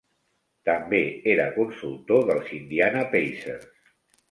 També era consultor dels Indiana Pacers.